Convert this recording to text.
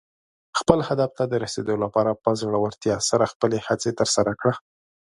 خپل هدف ته د رسېدو لپاره په زړۀ ورتیا سره خپلې هڅې ترسره کړه.